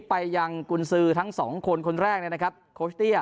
ไปยังกุญสือทั้งสองคนคนแรกเลยนะครับโคชเตี้ย